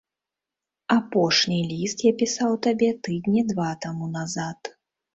Апошні ліст я пісаў табе тыдні два таму назад.